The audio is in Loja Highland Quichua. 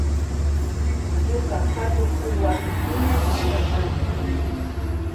Ñuka hatukuwa piñarishka kani.